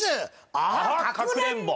アハかくれんぼ。